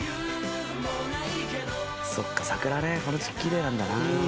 そっか桜ねこの時期きれいなんだな。